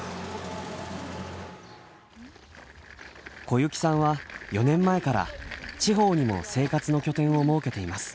小雪さんは４年前から地方にも生活の拠点を設けています。